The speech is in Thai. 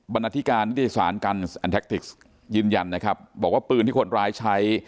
บรรณาธิการนิตยสารกันยืนยันนะครับบอกว่าปืนที่คนร้ายใช้